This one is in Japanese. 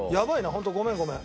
本当ごめんごめん。